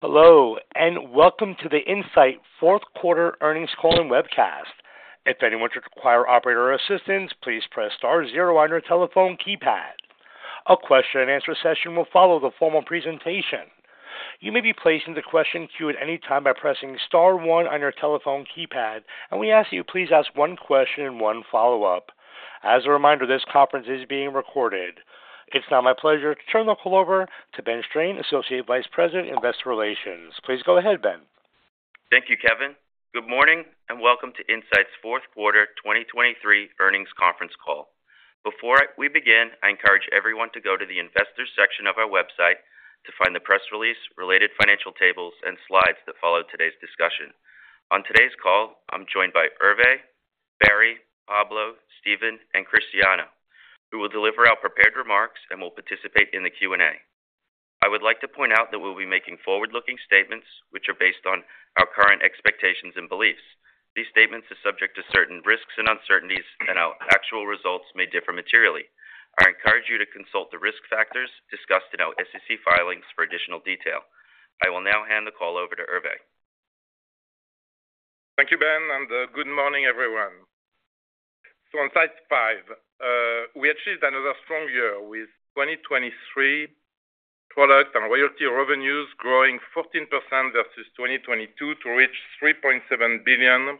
Hello and welcome to the Incyte Q4 Earnings Call-in webcast. If anyone should require operator assistance, please press star zero on your telephone keypad. A question-and-answer session will follow the formal presentation. You may be placed into question queue at any time by pressing star one on your telephone keypad, and we ask that you please ask one question and one follow-up. As a reminder, this conference is being recorded. It's now my pleasure to turn the call over to Ben Strain, Associate Vice President, Investor Relations. Please go ahead, Ben. Thank you, Kevin. Good morning and welcome to Incyte's Q4 2023 Earnings Conference Call. Before we begin, I encourage everyone to go to the Investors section of our website to find the press release related financial tables and slides that follow today's discussion. On today's call, I'm joined by Hervé, Barry, Pablo, Steven, and Christiana, who will deliver our prepared remarks and will participate in the Q&A. I would like to point out that we'll be making forward-looking statements which are based on our current expectations and beliefs. These statements are subject to certain risks and uncertainties, and our actual results may differ materially. I encourage you to consult the risk factors discussed in our SEC filings for additional detail. I will now hand the call over to Hervé. Thank you, Ben, and good morning, everyone. So on slide 5, we achieved another strong year with 2023 product and royalty revenues growing 14% versus 2022 to reach $3.7 billion,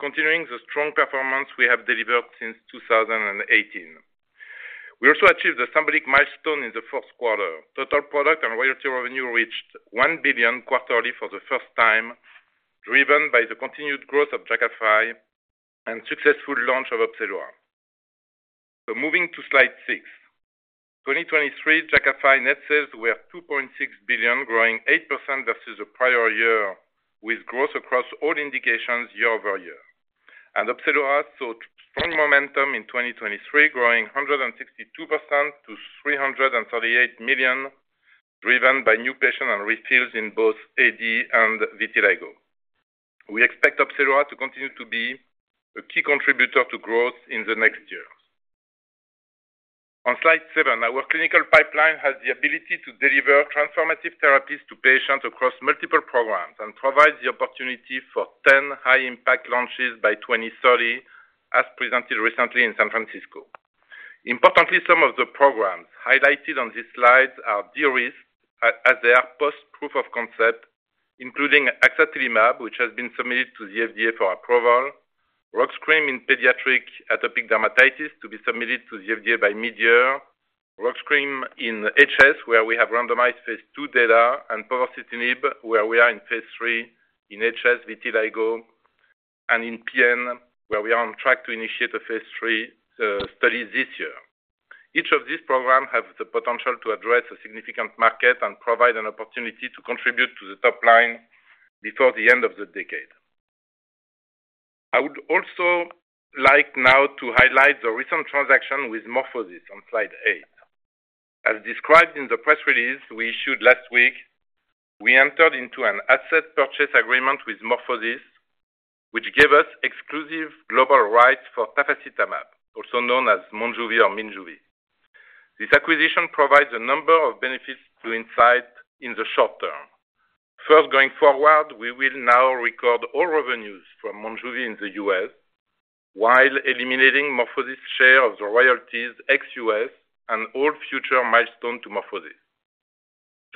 continuing the strong performance we have delivered since 2018. We also achieved a symbolic milestone in the Q4. Total product and royalty revenue reached $1 billion quarterly for the first time, driven by the continued growth of Jakafi and successful launch of OPZELURA. So moving to slide 6, 2023 Jakafi net sales were $2.6 billion, growing 8% versus the prior year with growth across all indications year-over-year. And OPZELURA saw strong momentum in 2023, growing 162% to $338 million, driven by new patient and refills in both AD and vitiligo. We expect OPZELURA to continue to be a key contributor to growth in the next years. On slide 7, our clinical pipeline has the ability to deliver transformative therapies to patients across multiple programs and provides the opportunity for 10 high-impact launches by 2030, as presented recently in San Francisco. Importantly, some of the programs highlighted on these slides are de-risked as they are post-proof of concept, including Axatilimab, which has been submitted to the FDA for approval, OPZELURA in pediatric atopic dermatitis to be submitted to the FDA by mid-year, OPZELURA in HS where we have randomized phase II data, and povorcitinib where we are in phase III in HS, Vitiligo, and in PN where we are on track to initiate a phase III study this year. Each of these programs has the potential to address a significant market and provide an opportunity to contribute to the top line before the end of the decade. I would also like now to highlight the recent transaction with MorphoSys on slide 8. As described in the press release we issued last week, we entered into an asset purchase agreement with MorphoSys, which gave us exclusive global rights for tafasitamab, also known as Monjuvi or Minjuvi. This acquisition provides a number of benefits to Incyte in the short term. First, going forward, we will now record all revenues from Monjuvi in the US, while eliminating MorphoSys' share of the royalties ex-US and all future milestones to MorphoSys.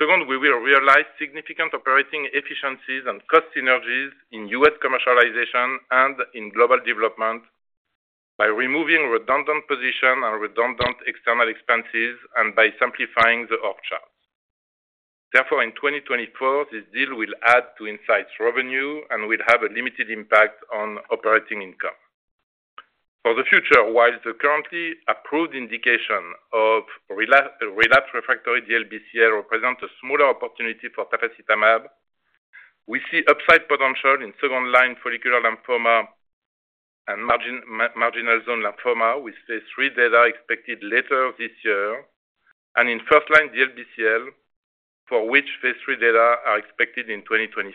Second, we will realize significant operating efficiencies and cost synergies in US commercialization and in global development by removing redundant positions and redundant external expenses and by simplifying the org charts. Therefore, in 2024, this deal will add to Incyte's revenue and will have a limited impact on operating income. For the future, while the currently approved indication of relapse refractory DLBCL represents a smaller opportunity for Tafasitamab, we see upside potential in second-line follicular lymphoma and marginal zone lymphoma with phase III data expected later this year, and in first-line DLBCL for which phase III data are expected in 2025.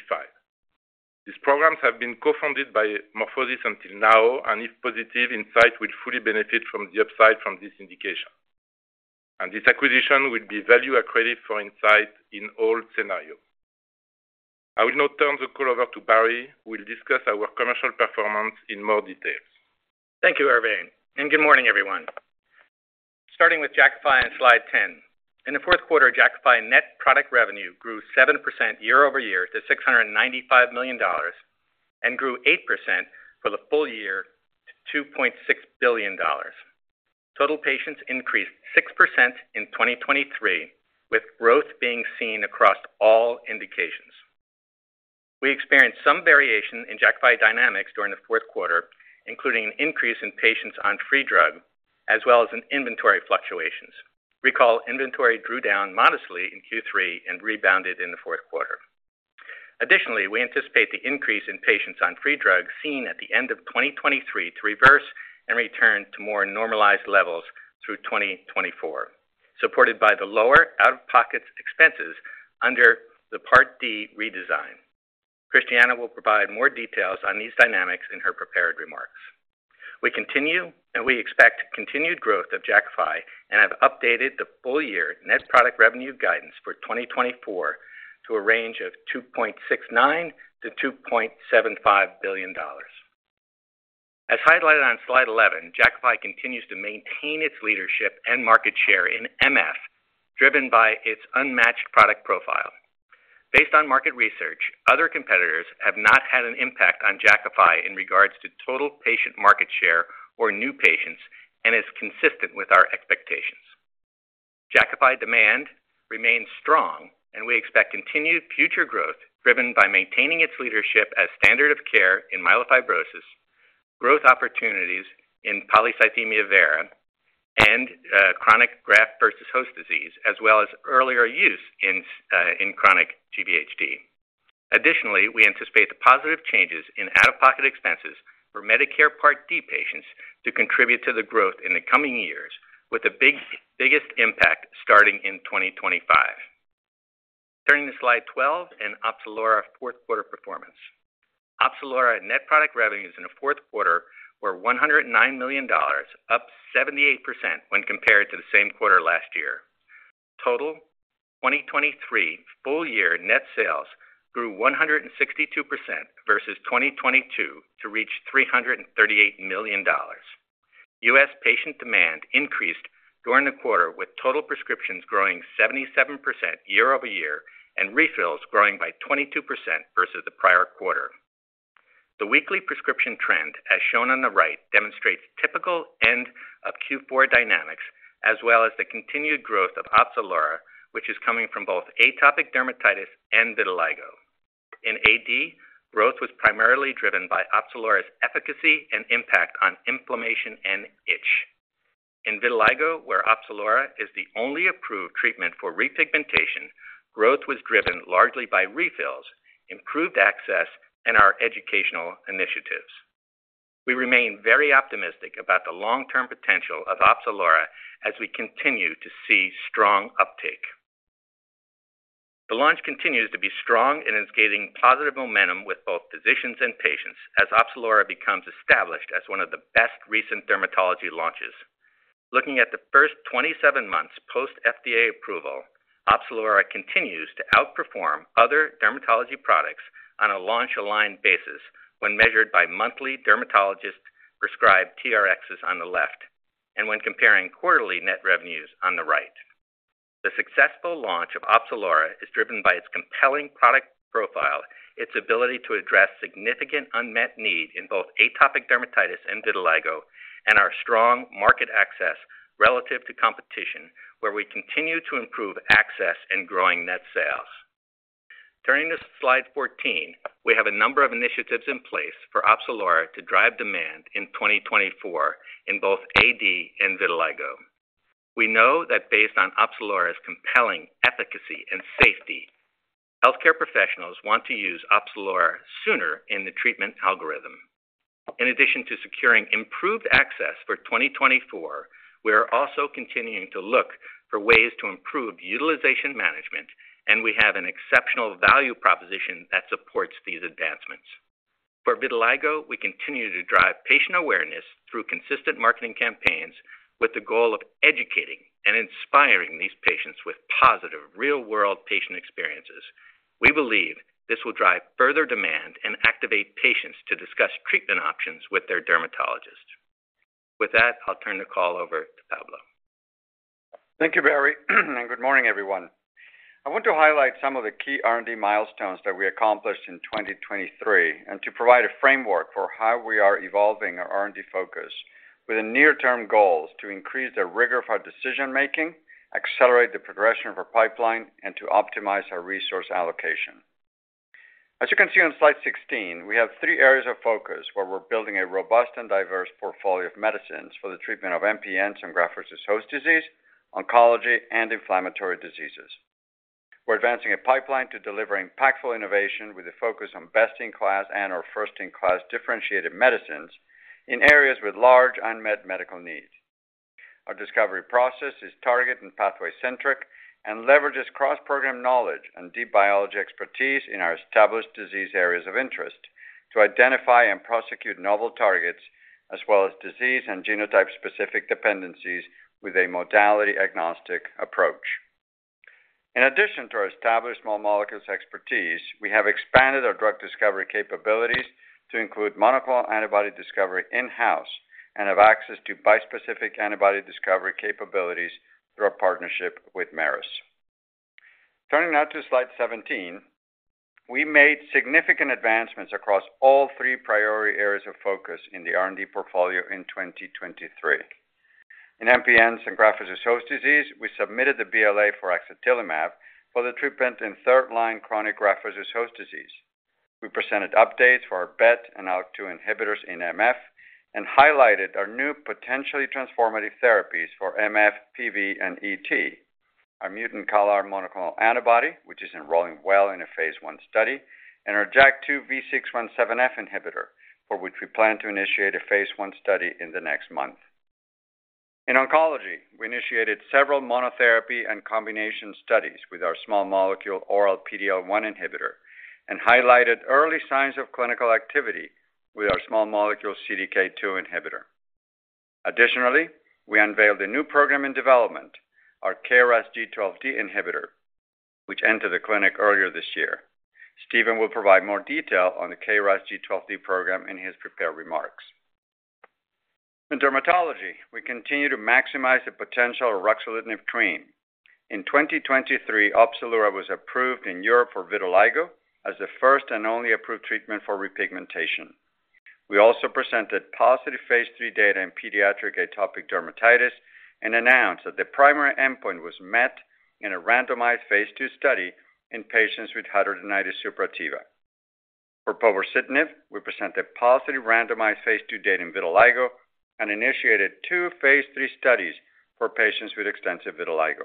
These programs have been co-funded by MorphoSys until now, and if positive, Incyte will fully benefit from the upside from this indication. This acquisition will be value accretive for Incyte in all scenarios. I will now turn the call over to Barry, who will discuss our commercial performance in more detail. Thank you, Hervé, and good morning, everyone. Starting with Jakafi on slide 10, in the Q4, Jakafi net product revenue grew 7% year over year to $695 million and grew 8% for the full year to $2.6 billion. Total patients increased 6% in 2023, with growth being seen across all indications. We experienced some variation in Jakafi dynamics during the Q4, including an increase in patients on free drug as well as in inventory fluctuations. Recall, inventory drew down modestly in Q3 and rebounded in the Q4. Additionally, we anticipate the increase in patients on free drug seen at the end of 2023 to reverse and return to more normalized levels through 2024, supported by the lower out-of-pocket expenses under the Part D redesign. Christiana will provide more details on these dynamics in her prepared remarks. We continue and we expect continued growth of Jakafi and have updated the full-year net product revenue guidance for 2024 to a range of $2.69 to 2.75 billion. As highlighted on slide 11, Jakafi continues to maintain its leadership and market share in MF, driven by its unmatched product profile. Based on market research, other competitors have not had an impact on Jakafi in regards to total patient market share or new patients, and is consistent with our expectations. Jakafi demand remains strong, and we expect continued future growth driven by maintaining its leadership as standard of care in myelofibrosis, growth opportunities in polycythemia vera, and chronic graft-versus-host disease, as well as earlier use in chronic GVHD. Additionally, we anticipate the positive changes in out-of-pocket expenses for Medicare Part D patients to contribute to the growth in the coming years, with the biggest impact starting in 2025. Turning to slide 12 and OPZELURA Q4 performance. OPZELURA net product revenues in the Q4 were $109 million, up 78% when compared to the same quarter last year. Total 2023 full-year net sales grew 162% versus 2022 to reach $338 million. US patient demand increased during the quarter, with total prescriptions growing 77% year-over-year and refills growing by 22% versus the prior quarter. The weekly prescription trend, as shown on the right, demonstrates typical end of Q4 dynamics as well as the continued growth of OPZELURA, which is coming from both atopic dermatitis and vitiligo. In AD, growth was primarily driven by OPZELURA's efficacy and impact on inflammation and itch. In vitiligo, where OPZELURA is the only approved treatment for repigmentation, growth was driven largely by refills, improved access, and our educational initiatives. We remain very optimistic about the long-term potential of OPZELURA as we continue to see strong uptake. The launch continues to be strong and is gaining positive momentum with both physicians and patients as OPZELURA becomes established as one of the best recent dermatology launches. Looking at the first 27 months post-FDA approval, OPZELURA continues to outperform other dermatology products on a launch-aligned basis when measured by monthly dermatologist-prescribed TRXs on the left and when comparing quarterly net revenues on the right. The successful launch of OPZELURA is driven by its compelling product profile, its ability to address significant unmet need in both atopic dermatitis and vitiligo, and our strong market access relative to competition, where we continue to improve access and growing net sales. Turning to slide 14, we have a number of initiatives in place for OPZELURA to drive demand in 2024 in both AD and vitiligo. We know that based on OPZELURA's compelling efficacy and safety, healthcare professionals want to use OPZELURA sooner in the treatment algorithm. In addition to securing improved access for 2024, we are also continuing to look for ways to improve utilization management, and we have an exceptional value proposition that supports these advancements. For vitiligo, we continue to drive patient awareness through consistent marketing campaigns with the goal of educating and inspiring these patients with positive, real-world patient experiences. We believe this will drive further demand and activate patients to discuss treatment options with their dermatologist. With that, I'll turn the call over to Pablo. Thank you, Barry, and good morning, everyone. I want to highlight some of the key R&D milestones that we accomplished in 2023 and to provide a framework for how we are evolving our R&D focus within near-term goals to increase the rigor of our decision-making, accelerate the progression of our pipeline, and to optimize our resource allocation. As you can see on slide 16, we have three areas of focus where we're building a robust and diverse portfolio of medicines for the treatment of MPNs and graft-versus-host disease, oncology, and inflammatory diseases. We're advancing a pipeline to deliver impactful innovation with a focus on best-in-class and/or first-in-class differentiated medicines in areas with large unmet medical needs. Our discovery process is target and pathway-centric and leverages cross-program knowledge and deep biology expertise in our established disease areas of interest to identify and prosecute novel targets as well as disease and genotype-specific dependencies with a modality-agnostic approach. In addition to our established small molecules expertise, we have expanded our drug discovery capabilities to include monoclonal antibody discovery in-house and have access to bispecific antibody discovery capabilities through our partnership with Merus. Turning now to slide 17, we made significant advancements across all three priority areas of focus in the R&D portfolio in 2023. In MPNs and graft versus host disease, we submitted the BLA for axatilimab for the treatment in third-line chronic graft versus host disease. We presented updates for our BET and ALK2 inhibitors in MF and highlighted our new potentially transformative therapies for MF, PV, and ET, our mutant CALR monoclonal antibody, which is enrolling well in a phase I study, and our JAK2 V617F inhibitor, for which we plan to initiate a phase I study in the next month. In oncology, we initiated several monotherapy and combination studies with our small molecule oral PD-L1 inhibitor and highlighted early signs of clinical activity with our small molecule CDK2 inhibitor. Additionally, we unveiled a new program in development, our KRAS G12D inhibitor, which entered the clinic earlier this year. Steven will provide more detail on the KRAS G12D program in his prepared remarks. In dermatology, we continue to maximize the potential of ruxolitinib cream. In 2023, OPZELURA was approved in Europe for vitiligo as the first and only approved treatment for repigmentation. We also presented positive phase III data in pediatric atopic dermatitis and announced that the primary endpoint was met in a randomized phase II study in patients with hidradenitis suppurativa. For povorcitinib, we presented positive randomized phase II data in vitiligo and initiated two phase III studies for patients with extensive vitiligo.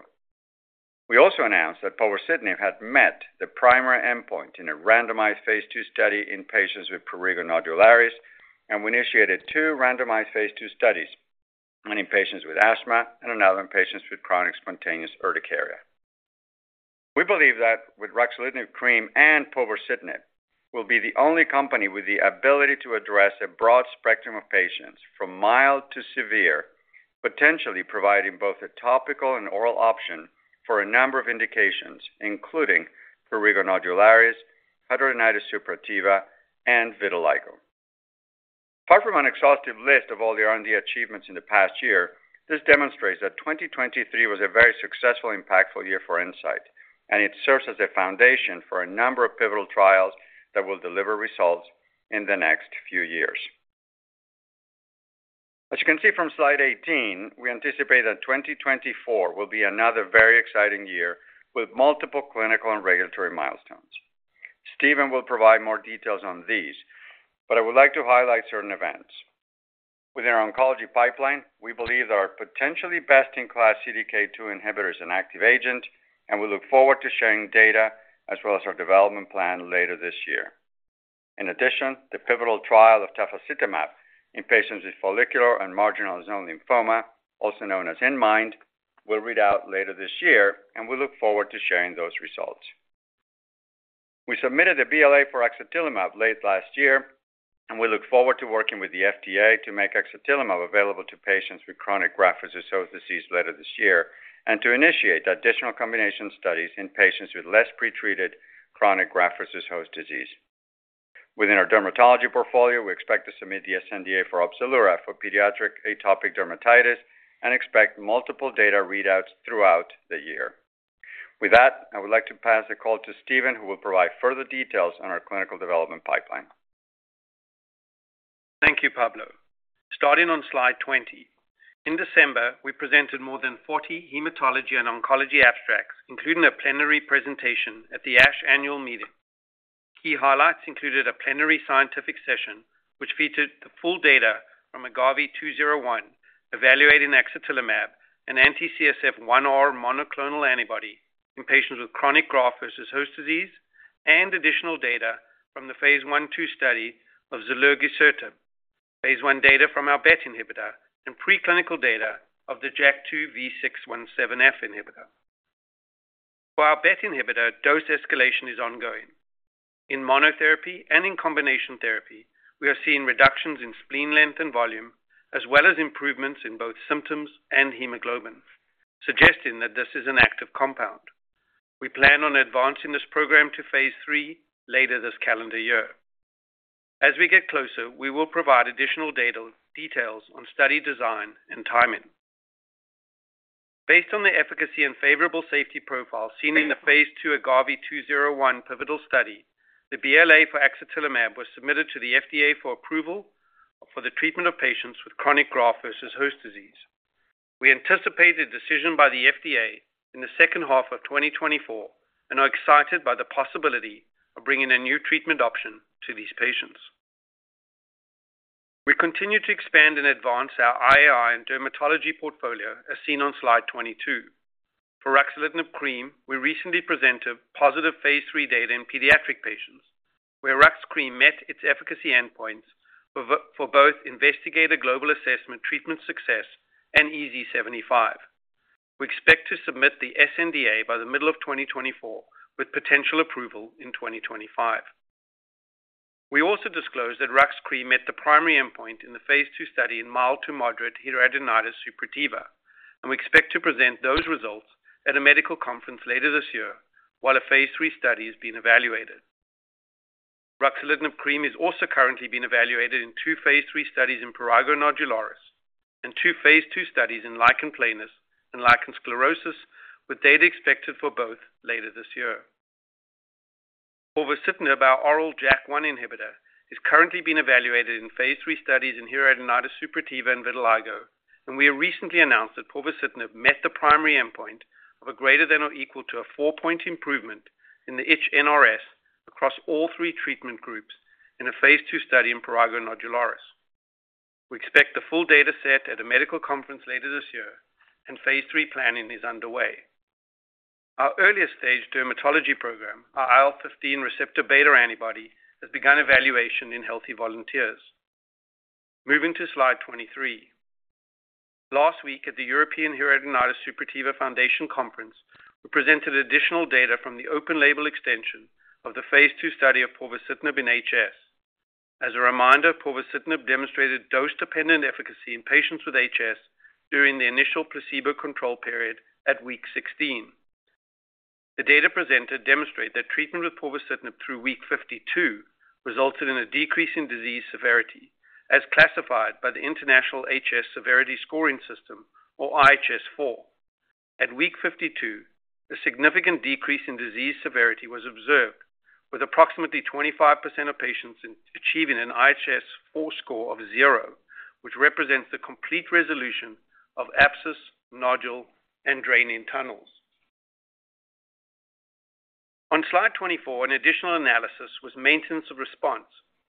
We also announced that povorcitinib had met the primary endpoint in a randomized phase II study in patients with prurigo nodularis, and we initiated two randomized phase II studies, one in patients with asthma and another in patients with chronic spontaneous urticaria. We believe that with ruxolitinib cream and povorcitinib, we'll be the only company with the ability to address a broad spectrum of patients from mild to severe, potentially providing both a topical and oral option for a number of indications, including prurigo nodularis, hidradenitis suppurativa, and vitiligo. Apart from an exhaustive list of all the R&D achievements in the past year, this demonstrates that 2023 was a very successful, impactful year for Incyte, and it serves as a foundation for a number of pivotal trials that will deliver results in the next few years. As you can see from slide 18, we anticipate that 2024 will be another very exciting year with multiple clinical and regulatory milestones. Steven will provide more details on these, but I would like to highlight certain events. Within our oncology pipeline, we believe that our potentially best-in-class CDK2 inhibitor is an active agent, and we look forward to sharing data as well as our development plan later this year. In addition, the pivotal trial of Tafasitamab in patients with follicular and marginal zone lymphoma, also known as inMIND, will read out later this year, and we look forward to sharing those results. We submitted the BLA for axatilimab late last year, and we look forward to working with the FDA to make axatilimab available to patients with chronic graft-versus-host disease later this year and to initiate additional combination studies in patients with less pretreated chronic graft-versus-host disease. Within our dermatology portfolio, we expect to submit the SNDA for OPZELURA for pediatric atopic dermatitis and expect multiple data readouts throughout the year. With that, I would like to pass the call to Steven, who will provide further details on our clinical development pipeline. Thank you, Pablo. Starting on slide 20, in December, we presented more than 40 hematology and oncology abstracts, including a plenary presentation at the ASH annual meeting. Key highlights included a plenary scientific session, which featured the full data from AGAVE-201 evaluating axatilimab, an anti-CSF-1R monoclonal antibody, in patients with chronic graft-versus-host disease, and additional data from the phase I/2 study of zilurgisertib, phase I data from our BET inhibitor, and preclinical data of the JAK2 V617F inhibitor. For our BET inhibitor, dose escalation is ongoing. In monotherapy and in combination therapy, we are seeing reductions in spleen length and volume as well as improvements in both symptoms and hemoglobin, suggesting that this is an active compound. We plan on advancing this program to phase III later this calendar year. As we get closer, we will provide additional details on study design and timing. Based on the efficacy and favorable safety profile seen in the phase II AGAVE-201 pivotal study, the BLA for axatilimab was submitted to the FDA for approval for the treatment of patients with chronic graft-versus-host disease. We anticipate a decision by the FDA in the second half of 2024 and are excited by the possibility of bringing a new treatment option to these patients. We continue to expand and advance our IAI and dermatology portfolio, as seen on slide 22. For ruxolitinib cream, we recently presented positive phase III data in pediatric patients, where Rux cream met its efficacy endpoints for both investigator global assessment treatment success and EASI-75. We expect to submit the SNDA by the middle of 2024 with potential approval in 2025. We also disclosed that ruxolitinib cream met the primary endpoint in the phase II study in mild to moderate hidradenitis suppurativa, and we expect to present those results at a medical conference later this year while a phase III study is being evaluated. Ruxolitinib cream is also currently being evaluated in 2 phase III studies in prurigo nodularis and 2 phase II studies in lichen planus and lichen sclerosus, with data expected for both later this year. Povorcitinib, our oral JAK1 inhibitor, is currently being evaluated in phase III studies in hidradenitis suppurativa and vitiligo, and we have recently announced that povorcitinib met the primary endpoint of a greater than or equal to a 4-point improvement in the itch NRS across all 3 treatment groups in a phase II study in prurigo nodularis. We expect the full data set at a medical conference later this year, and phase III planning is underway. Our earliest stage dermatology program, our IL-15 receptor beta antibody, has begun evaluation in healthy volunteers. Moving to slide 23. Last week, at the European Hidradenitis Suppurativa Foundation conference, we presented additional data from the open-label extension of the phase II study of povorcitinib in HS. As a reminder, povorcitinib demonstrated dose-dependent efficacy in patients with HS during the initial placebo control period at week 16. The data presented demonstrated that treatment with povorcitinib through week 52 resulted in a decrease in disease severity, as classified by the International HS Severity Score System, or IHS4. At week 52, a significant decrease in disease severity was observed, with approximately 25% of patients achieving an IHS4 score of 0, which represents the complete resolution of abscess, nodule, and draining tunnels. On slide 24, an additional analysis was maintenance of response,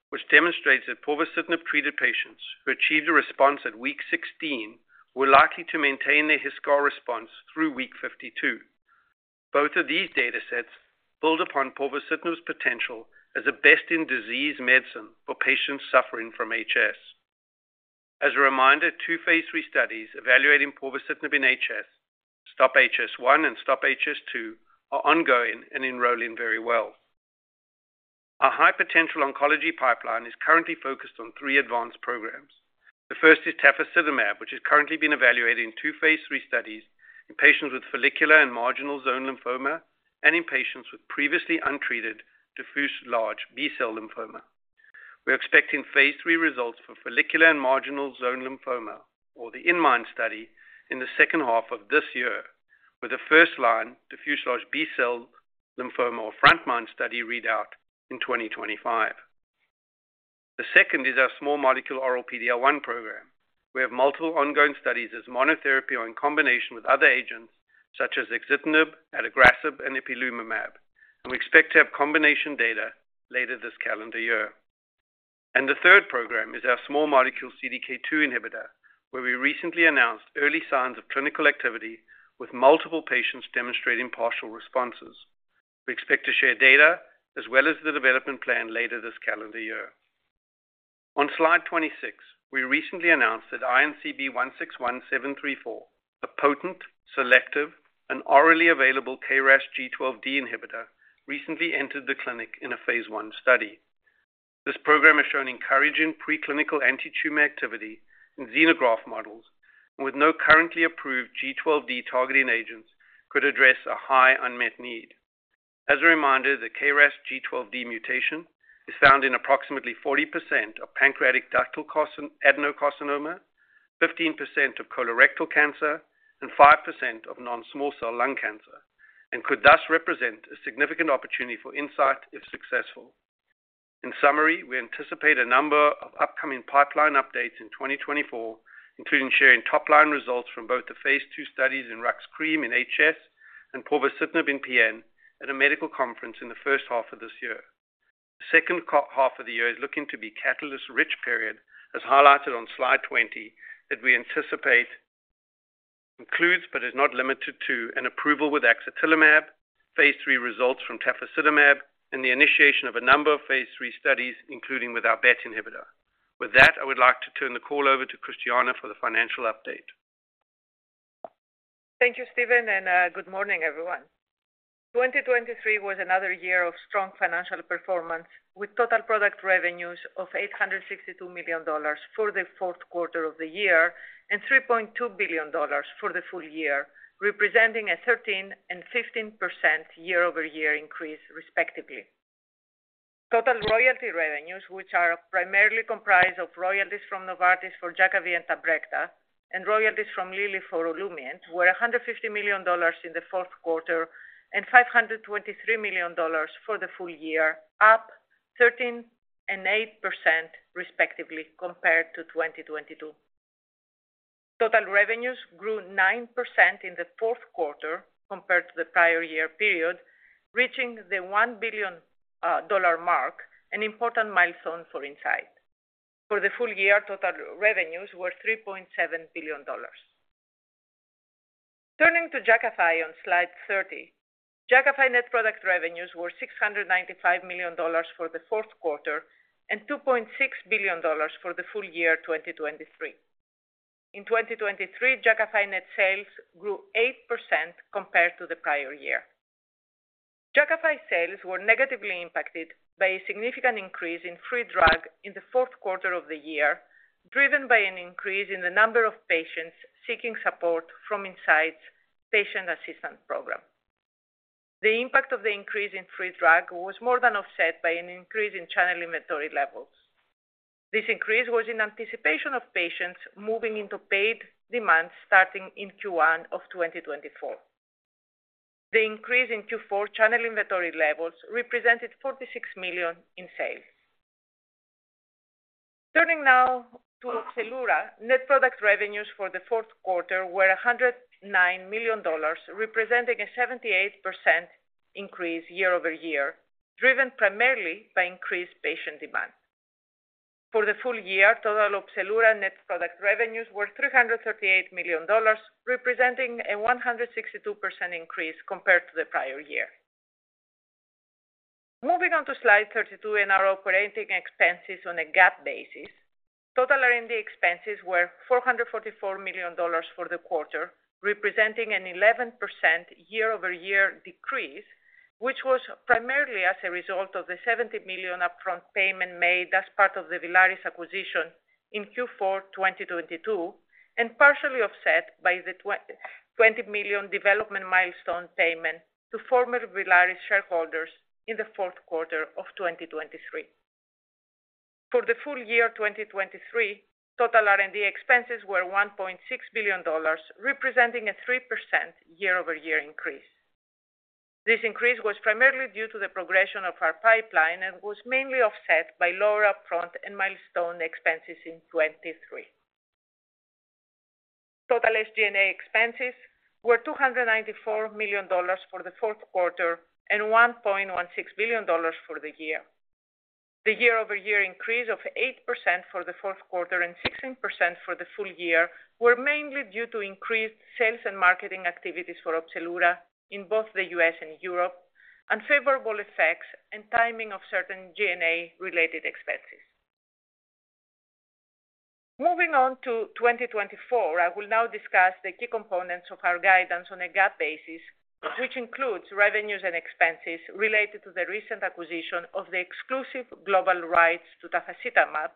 which demonstrates that Povorcitinib-treated patients who achieved a response at week 16 were likely to maintain their HiSCR response through week 52. Both of these data sets build upon Povorcitinib's potential as a best-in-disease medicine for patients suffering from HS. As a reminder, two phase III studies evaluating Povorcitinib in HS, STOP-HS1, and STOP-HS2, are ongoing and enrolling very well. Our high-potential oncology pipeline is currently focused on three advanced programs. The first is tafasitamab, which is currently being evaluated in two phase III studies in patients with follicular and marginal zone lymphoma and in patients with previously untreated diffuse large B-cell lymphoma. We are expecting phase III results for follicular and marginal zone lymphoma, or the inMIND study, in the second half of this year, with the first-line, diffuse large B-cell lymphoma, or frontline study, read out in 2025. The second is our small molecule oral PD-L1 program. We have multiple ongoing studies as monotherapy or in combination with other agents, such as axitinib, adagrasib, and ipilimumab, and we expect to have combination data later this calendar year. The third program is our small molecule CDK2 inhibitor, where we recently announced early signs of clinical activity with multiple patients demonstrating partial responses. We expect to share data as well as the development plan later this calendar year. On slide 26, we recently announced that INCB161734, a potent, selective, and orally available KRAS G12D inhibitor, recently entered the clinic in a phase I study. This program is showing encouraging preclinical anti-tumor activity in xenograft models, and with no currently approved G12D targeting agents, could address a high unmet need. As a reminder, the KRAS G12D mutation is found in approximately 40% of pancreatic ductal adenocarcinoma, 15% of colorectal cancer, and 5% of non-small cell lung cancer, and could thus represent a significant opportunity for Incyte if successful. In summary, we anticipate a number of upcoming pipeline updates in 2024, including sharing top-line results from both the phase II studies in RAX cream in HS and povorcitinib in PN at a medical conference in the first half of this year. The second half of the year is looking to be a catalyst-rich period, as highlighted on slide 20, that we anticipate includes but is not limited to an approval with axatilimab, phase III results from tafasitamab, and the initiation of a number of phase III studies, including with our BET inhibitor. With that, I would like to turn the call over to Christiana for the financial update. Thank you, Steven, and good morning, everyone. 2023 was another year of strong financial performance, with total product revenues of $862 million for the Q4 of the year and $3.2 billion for the full year, representing a 13% and 15% year-over-year increase, respectively. Total royalty revenues, which are primarily comprised of royalties from Novartis for Jakavi and Tabrecta, and royalties from Lilly for Olumiant, were $150 million in the Q4 and $523 million for the full year, up 13% and 8%, respectively, compared to 2022. Total revenues grew 9% in the Q4 compared to the prior year period, reaching the $1 billion mark, an important milestone for Incyte. For the full year, total revenues were $3.7 billion. Turning to Jakafi on slide 30, Jakafi net product revenues were $695 million for the Q4 and $2.6 billion for the full year 2023. In 2023, Jakafi net sales grew 8% compared to the prior year. Jakafi sales were negatively impacted by a significant increase in free drug in the Q4 of the year, driven by an increase in the number of patients seeking support from Incyte's Patient Assistance Program. The impact of the increase in free drug was more than offset by an increase in channel inventory levels. This increase was in anticipation of patients moving into paid demand starting in Q1 of 2024. The increase in Q4 channel inventory levels represented $46 million in sales. Turning now to OPZELURA, net product revenues for the Q4 were $109 million, representing a 78% increase year-over-year, driven primarily by increased patient demand. For the full year, total OPZELURA net product revenues were $338 million, representing a 162% increase compared to the prior year. Moving on to slide 32 and our operating expenses on a GAAP basis, total R&D expenses were $444 million for the quarter, representing an 11% year-over-year decrease, which was primarily as a result of the $70 million upfront payment made as part of the Villaris acquisition in Q4 2022 and partially offset by the $20 million development milestone payment to former Villaris shareholders in the Q4 of 2023. For the full year 2023, total R&D expenses were $1.6 billion, representing a 3% year-over-year increase. This increase was primarily due to the progression of our pipeline and was mainly offset by lower upfront and milestone expenses in 2023. Total SG&A expenses were $294 million for the Q4 and $1.16 billion for the year. The year-over-year increase of 8% for the Q4 and 16% for the full year were mainly due to increased sales and marketing activities for OPZELURA in both the US and Europe, and favorable effects and timing of certain G&A-related expenses. Moving on to 2024, I will now discuss the key components of our guidance on a GAAP basis, which includes revenues and expenses related to the recent acquisition of the exclusive global rights to tafasitamab,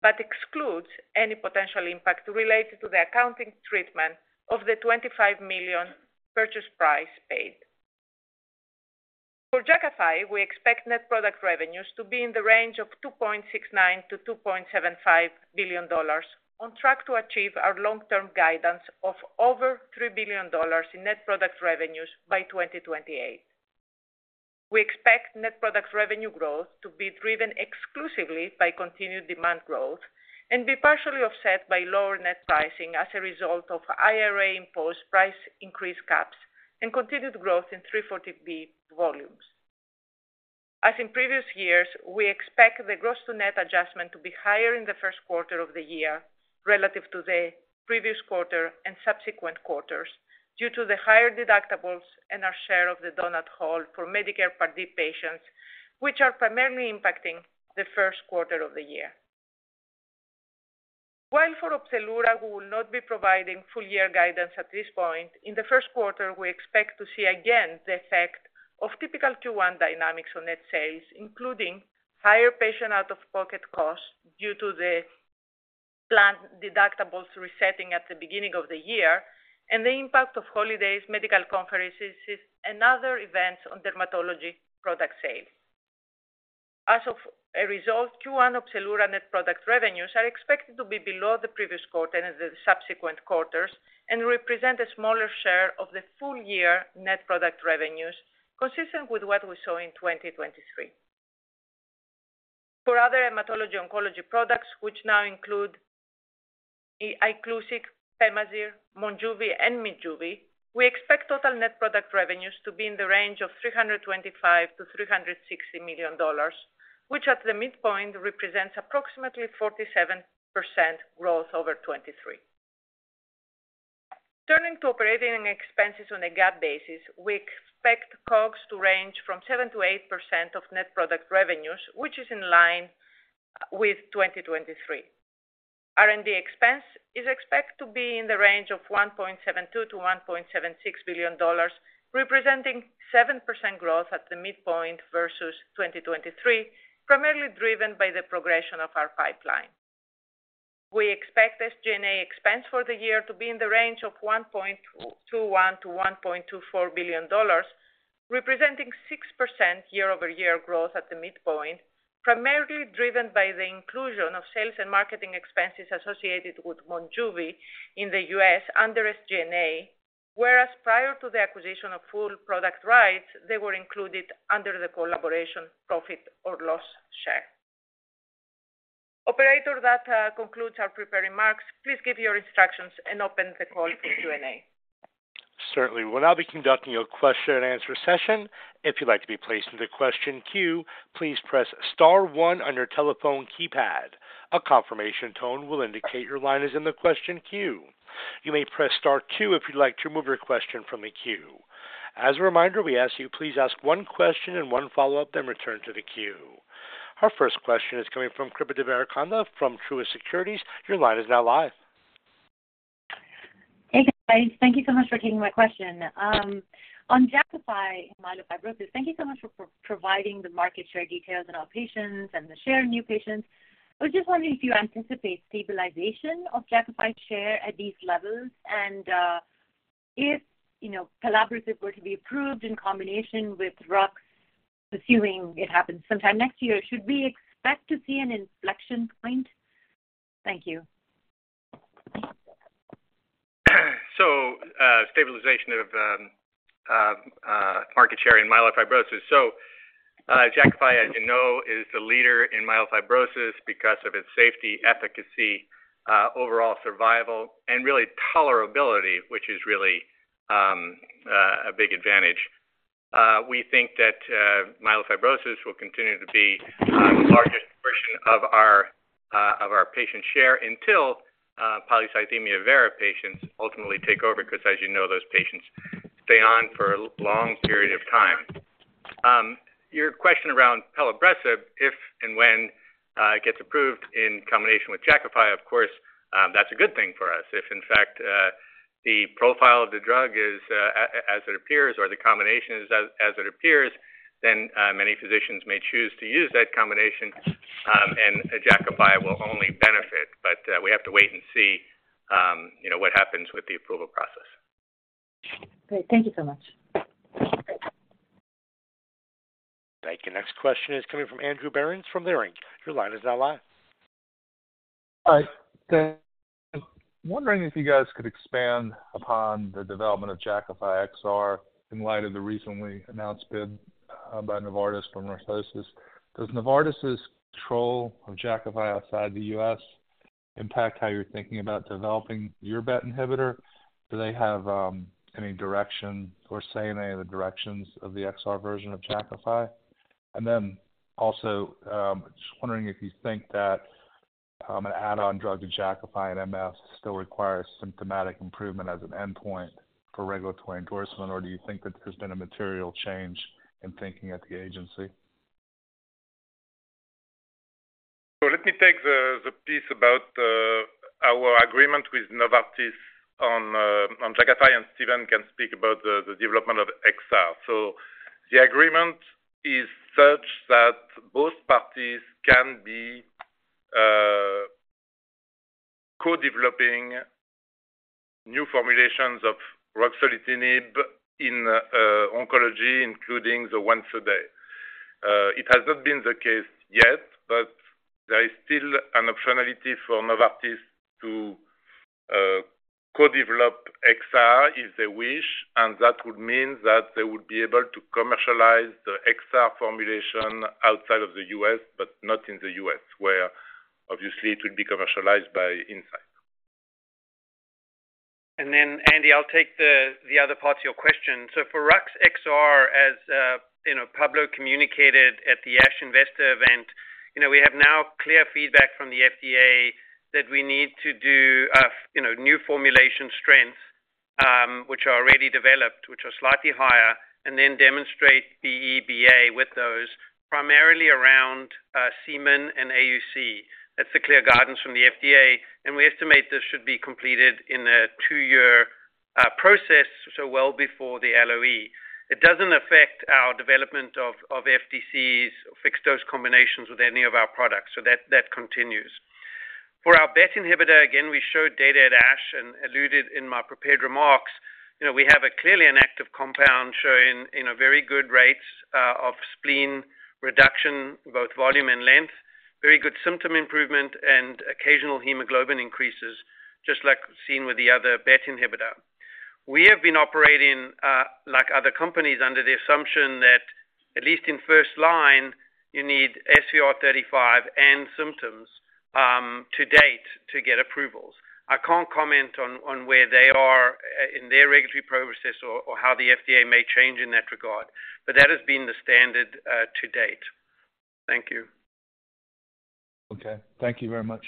but excludes any potential impact related to the accounting treatment of the $25 million purchase price paid. For Jakafi, we expect net product revenues to be in the range of $2.69 to 2.75 billion, on track to achieve our long-term guidance of over $3 billion in net product revenues by 2028. We expect net product revenue growth to be driven exclusively by continued demand growth and be partially offset by lower net pricing as a result of IRA-imposed price increase caps and continued growth in 340B volumes. As in previous years, we expect the gross-to-net adjustment to be higher in the Q1 of the year relative to the previous quarter and subsequent quarters due to the higher deductibles and our share of the doughnut hole for Medicare Part D patients, which are primarily impacting the Q1 of the year. While for OPZELURA we will not be providing full-year guidance at this point, in the Q1 we expect to see again the effect of typical Q1 dynamics on net sales, including higher patient out-of-pocket cost due to the planned deductibles resetting at the beginning of the year and the impact of holidays, medical conferences, and other events on dermatology product sales. As a result, Q1 OPZELURA net product revenues are expected to be below the previous quarter and the subsequent quarters and represent a smaller share of the full-year net product revenues consistent with what we saw in 2023. For other hematology-oncology products, which now include Iclusic, Pemazyre, Monjuvi, and Minjuvi, we expect total net product revenues to be in the range of $325 to 360 million, which at the midpoint represents approximately 47% growth over 2023. Turning to operating expenses on a GAAP basis, we expect COGS to range from 7%-8% of net product revenues, which is in line with 2023. R&D expense is expected to be in the range of $1.72 to 1.76 billion, representing 7% growth at the midpoint versus 2023, primarily driven by the progression of our pipeline. We expect SG&A expense for the year to be in the range of $1.21 to 1.24 billion, representing 6% year-over-year growth at the midpoint, primarily driven by the inclusion of sales and marketing expenses associated with Monjuvi in the US under SG&A, whereas prior to the acquisition of full product rights, they were included under the collaboration profit or loss share. Operator, that concludes our prepared remarks. Please give your instructions and open the call for Q&A. Certainly. We'll now be conducting a question-and-answer session. If you'd like to be placed in the question queue, please press STAR one on your telephone keypad. A confirmation tone will indicate your line is in the question queue. You may press STAR two if you'd like to remove your question from the queue. As a reminder, we ask that you please ask one question and one follow-up, then return to the queue. Our first question is coming from Kripa Devarakonda from Truist Securities. Your line is now live. Hey, guys. Thank you so much for taking my question. On Jakafi, myelofibrosis, thank you so much for providing the market share details and all patients and the share in new patients. I was just wondering if you anticipate stabilization of Jakafi's share at these levels and if pelabresib were to be approved in combination with rux, assuming it happens sometime next year, should we expect to see an inflection point? Thank you. So stabilization of market share in myelofibrosis. So Jakafi, as you know, is the leader in myelofibrosis because of its safety, efficacy, overall survival, and really tolerability, which is really a big advantage. We think that myelofibrosis will continue to be the largest portion of our patient share until polycythemia vera patients ultimately take over because, as you know, those patients stay on for a long period of time. Your question around Pelabresib, if and when it gets approved in combination with Jakafi, of course, that's a good thing for us. If, in fact, the profile of the drug is as it appears or the combination is as it appears, then many physicians may choose to use that combination, and Jakafi will only benefit. But we have to wait and see what happens with the approval process. Great. Thank you so much. Thank you. Next question is coming from Andrew Berens from Leerink Partners. Your line is now live. Hi. I'm wondering if you guys could expand upon the development of Jakafi XR in light of the recently announced bid by Novartis for MorphoSys. Does Novartis's control of Jakafi outside the US impact how you're thinking about developing your BET inhibitor? Do they have any direction or say in any of the directions of the XR version of Jakafi? And then also, I'm just wondering if you think that an add-on drug to Jakafi and MF still requires symptomatic improvement as an endpoint for regulatory endorsement, or do you think that there's been a material change in thinking at the agency? So let me take the piece about our agreement with Novartis on Jakafi, and Steven can speak about the development of XR. So the agreement is such that both parties can be co-developing new formulations of ruxolitinib in oncology, including the once-a-day. It has not been the case yet, but there is still an optionality for Novartis to co-develop XR if they wish, and that would mean that they would be able to commercialize the XR formulation outside of the US, but not in the US, where obviously it will be commercialized by Incyte. And then, Andy, I'll take the other parts of your question. So for Jakafi XR, as Pablo communicated at the ASH Investor event, we have now clear feedback from the FDA that we need to do new formulation strengths, which are already developed, which are slightly higher, and then demonstrate BE/BA with those, primarily around Cmax and AUC. That's the clear guidance from the FDA, and we estimate this should be completed in a two-year process, so well before the LOE. It doesn't affect our development of FDCs fixed-dose combinations with any of our products, so that continues. For our BET inhibitor, again, we showed data at ASH and alluded in my prepared remarks. We have clearly an active compound showing very good rates of spleen reduction, both volume and length, very good symptom improvement, and occasional hemoglobin increases, just like seen with the other BET inhibitor. We have been operating like other companies under the assumption that, at least in first line, you need SVR35 and symptoms to date to get approvals. I can't comment on where they are in their regulatory process or how the FDA may change in that regard, but that has been the standard to date. Thank you. Okay. Thank you very much.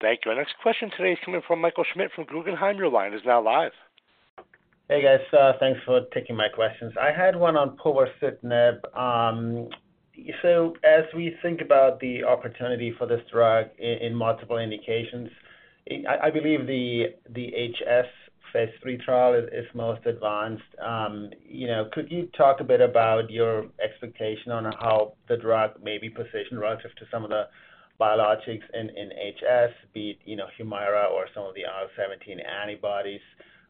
Thank you. Our next question today is coming from Michael Schmidt from Guggenheim. Your line is now live. Hey, guys. Thanks for taking my questions. I had one on povorcitinib. So as we think about the opportunity for this drug in multiple indications, I believe the HS phase III trial is most advanced. Could you talk a bit about your expectation on how the drug may be positioned relative to some of the biologics in HS, be it Humira or some of the IL-17 antibodies?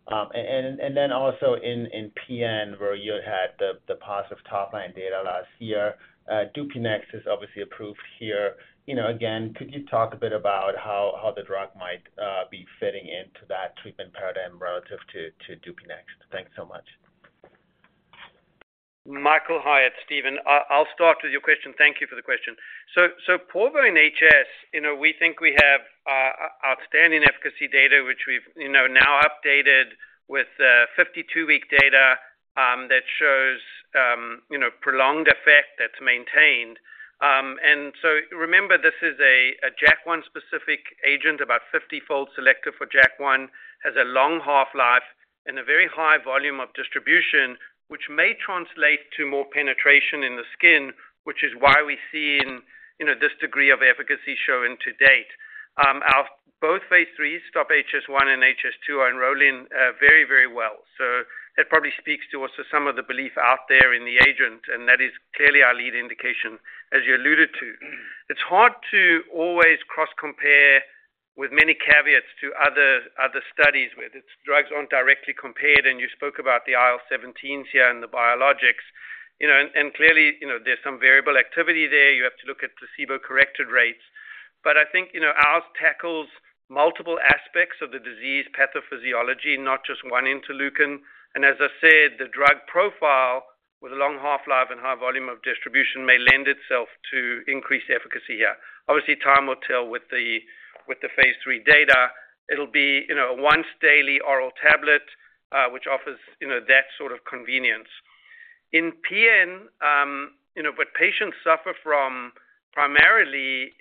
And then also in PN, where you had the positive top-line data last year, Dupixent is obviously approved here. Again, could you talk a bit about how the drug might be fitting into that treatment paradigm relative to Dupixent? Thanks so much. hi. It's Steven. I'll start with your question. Thank you for the question. So Povo, in HS, we think we have outstanding efficacy data, which we've now updated with 52-week data that shows prolonged effect that's maintained. And so remember, this is a JAK1-specific agent, about 50-fold selective for JAK1, has a long half-life, and a very high volume of distribution, which may translate to more penetration in the skin, which is why we see this degree of efficacy showing to date. Both phase IIIs, STOP-HS1 and STOP-HS2, are enrolling very, very well. So that probably speaks to also some of the belief out there in the agent, and that is clearly our lead indication, as you alluded to. It's hard to always cross-compare with many caveats to other studies with. Drugs aren't directly compared, and you spoke about the IL-17s here and the biologics. And clearly, there's some variable activity there. You have to look at placebo-corrected rates. But I think ours tackles multiple aspects of the disease pathophysiology, not just one interleukin. And as I said, the drug profile with a long half-life and high volume of distribution may lend itself to increased efficacy here. Obviously, time will tell with the phase III data. It'll be a once-daily oral tablet, which offers that sort of convenience. In PN, what patients suffer from primarily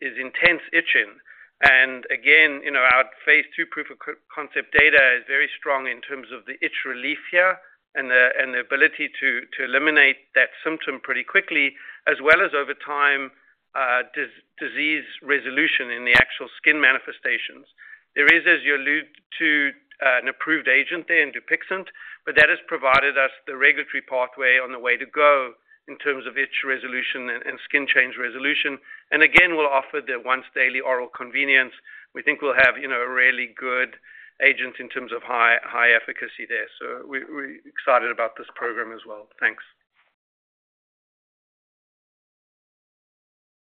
is intense itching. And again, our phase II proof of concept data is very strong in terms of the itch relief here and the ability to eliminate that symptom pretty quickly, as well as over time disease resolution in the actual skin manifestations. There is, as you alluded to, an approved agent there, Dupixent, but that has provided us the regulatory pathway on the way to go in terms of itch resolution and skin change resolution. And again, we'll offer the once-daily oral convenience. We think we'll have a really good agent in terms of high efficacy there. So we're excited about this program as well. Thanks.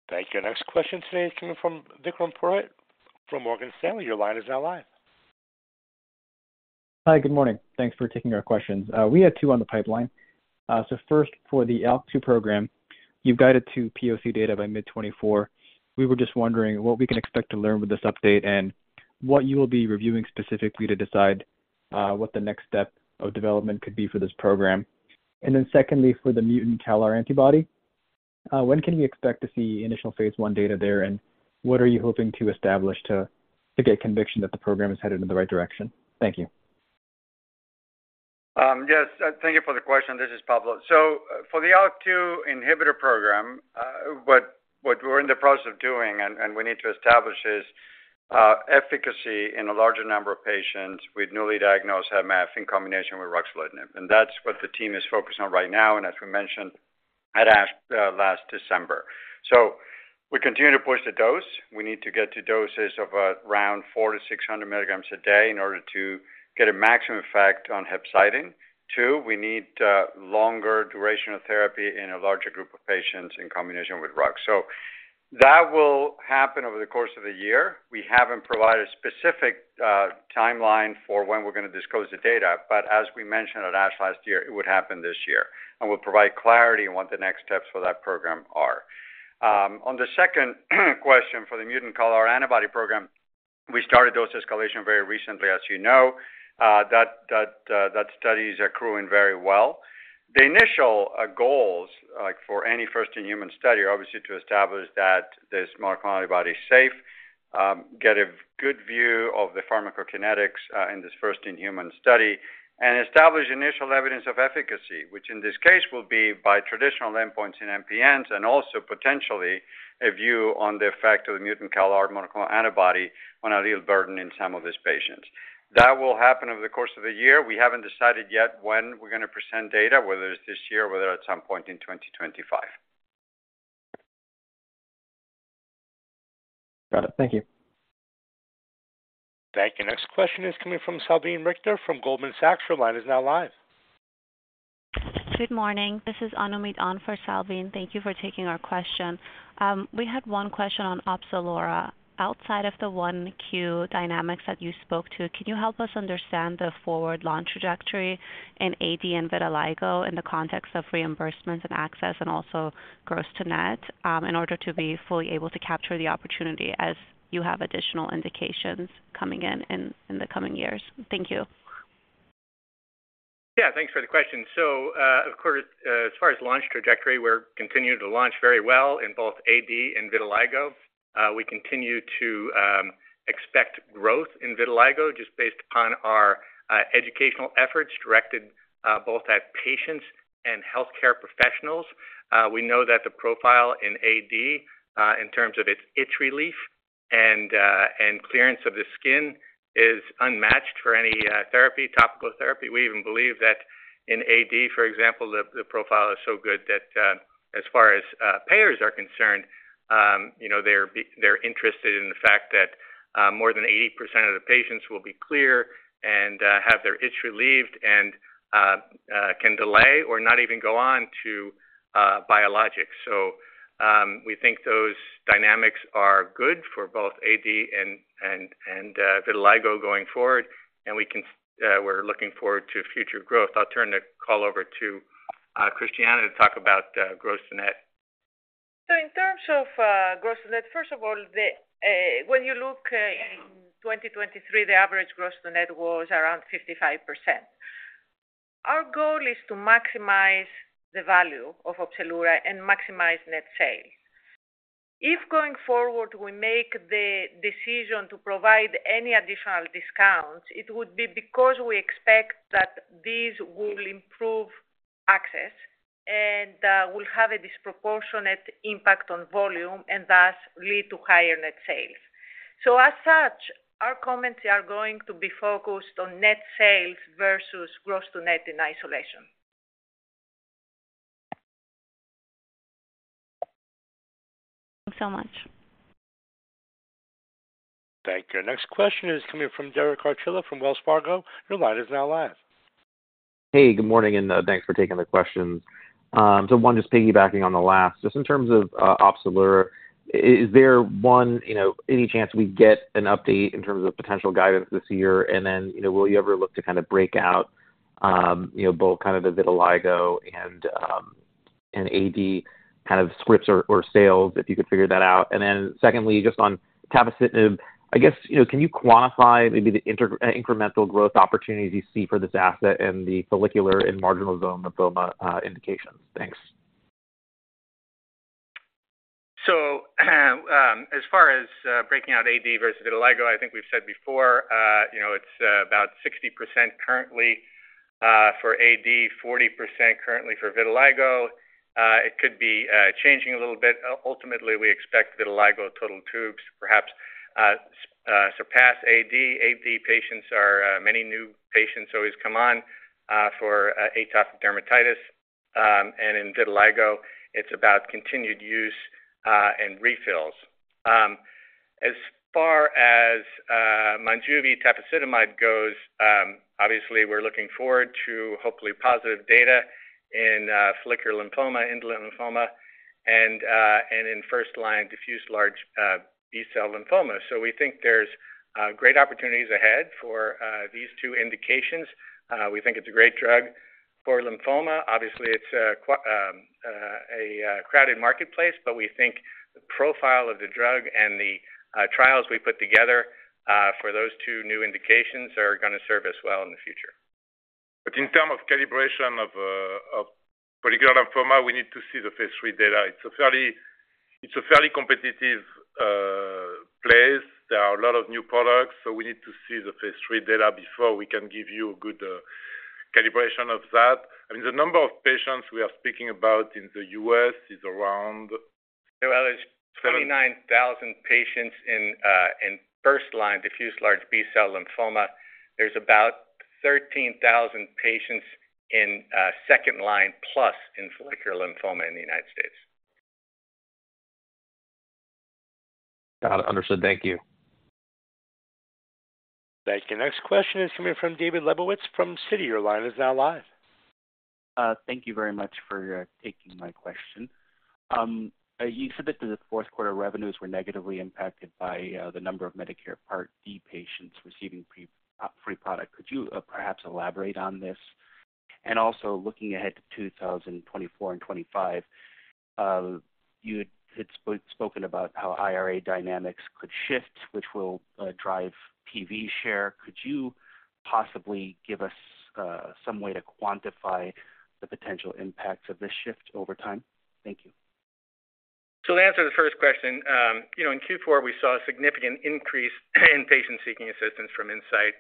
Thank you. Next question today is coming from Vikram Purohit from Morgan Stanley. Your line is now live. Hi. Good morning. Thanks for taking our questions. We had two on the pipeline. So first, for the ALK2 program, you've guided to POC data by mid-2024. We were just wondering what we can expect to learn with this update and what you will be reviewing specifically to decide what the next step of development could be for this program. And then secondly, for the mutant CALR antibody, when can we expect to see initial phase I data there, and what are you hoping to establish to get conviction that the program is headed in the right direction? Thank you. Yes. Thank you for the question. This is Pablo. So for the ALK2 inhibitor program, what we're in the process of doing and we need to establish is efficacy in a larger number of patients with newly diagnosed MF in combination with ruxolitinib. And that's what the team is focused on right now, and as we mentioned at ASH last December. So we continue to push the dose. We need to get to doses of around 400 to 600mg a day in order to get a maximum effect on hepcidin. Two, we need longer duration of therapy in a larger group of patients in combination with ruxolitinib. So that will happen over the course of the year. We haven't provided a specific timeline for when we're going to disclose the data, but as we mentioned at ASH last year, it would happen this year, and we'll provide clarity on what the next steps for that program are. On the second question, for the mutant CALR antibody program, we started dose escalation very recently, as you know. That study is accruing very well. The initial goals for any first-in-human study are obviously to establish that this monoclonal antibody is safe, get a good view of the pharmacokinetics in this first-in-human study, and establish initial evidence of efficacy, which in this case will be by traditional endpoints in MPNs and also potentially a view on the effect of the mutant CALR monoclonal antibody on allele burden in some of these patients. That will happen over the course of the year. We haven't decided yet when we're going to present data, whether it's this year or whether at some point in 2025. Got it. Thank you. Thank you. Next question is coming from Salveen Richter from Goldman Sachs. Your line is now live. Good morning. This is Anami for Salveen. Thank you for taking our question. We had one question on OPZELURA. Outside of the Q1 dynamics that you spoke to, can you help us understand the forward launch trajectory in AD and vitiligo in the context of reimbursements and access and also gross-to-net in order to be fully able to capture the opportunity as you have additional indications coming in in the coming years? Thank you. Yeah. Thanks for the question. So of course, as far as launch trajectory, we're continuing to launch very well in both AD and Vitiligo. We continue to expect growth in Vitiligo just based upon our educational efforts directed both at patients and healthcare professionals. We know that the profile in AD, in terms of its itch relief and clearance of the skin, is unmatched for any therapy, topical therapy. We even believe that in AD, for example, the profile is so good that as far as payers are concerned, they're interested in the fact that more than 80% of the patients will be clear and have their itch relieved and can delay or not even go on to biologics. So we think those dynamics are good for both AD and Vitiligo going forward, and we're looking forward to future growth. I'll turn the call over to Christiana to talk about gross-to-net. So in terms of gross-to-net, first of all, when you look in 2023, the average gross-to-net was around 55%. Our goal is to maximize the value of OPZELURA and maximize net sales. If going forward we make the decision to provide any additional discounts, it would be because we expect that these will improve access and will have a disproportionate impact on volume and thus lead to higher net sales. So as such, our comments are going to be focused on net sales versus gross-to-net in isolation. Thanks so much. Thank you. Next question is coming from Derek Archila from Wells Fargo. Your line is now live. Hey. Good morning, and thanks for taking the questions. So one, just piggybacking on the last, just in terms of OPZELURA, is there any chance we get an update in terms of potential guidance this year, and then will you ever look to kind of break out both kind of the vitiligo and AD kind of scripts or sales, if you could figure that out? And then secondly, just on Povorcitinib, I guess, can you quantify maybe the incremental growth opportunities you see for this asset and the follicular and marginal zone lymphoma indications? Thanks. So as far as breaking out AD versus vitiligo, I think we've said before, it's about 60% currently for AD, 40% currently for vitiligo. It could be changing a little bit. Ultimately, we expect vitiligo total tubes to perhaps surpass AD. AD patients are many new patients always come on for atopic dermatitis. And in vitiligo, it's about continued use and refills. As far as Monjuvi tafasitamab goes, obviously, we're looking forward to hopefully positive data in follicular lymphoma, indolent lymphoma, and in first-line diffuse large B-cell lymphoma. So we think there's great opportunities ahead for these two indications. We think it's a great drug for lymphoma. Obviously, it's a crowded marketplace, but we think the profile of the drug and the trials we put together for those two new indications are going to serve us well in the future. But in terms of calibration of follicular lymphoma, we need to see the phase III data. It's a fairly competitive place. There are a lot of new products, so we need to see the phase III data before we can give you a good calibration of that. I mean, the number of patients we are speaking about in the US is around. Well, it's 29,000 patients in first-line diffuse large B-cell lymphoma. There's about 13,000 patients in second-line plus in follicular lymphoma in the United States. Got it. Understood. Thank you. Thank you. Next question is coming from David Lebowitz from Citi. Your line is now live. Thank you very much for taking my question. You said that the Q4 revenues were negatively impacted by the number of Medicare Part D patients receiving free product. Could you perhaps elaborate on this? And also looking ahead to 2024 and 2025, you had spoken about how IRA dynamics could shift, which will drive PV share. Could you possibly give us some way to quantify the potential impacts of this shift over time? Thank you. So to answer the first question, in Q4, we saw a significant increase in patients seeking assistance from Incyte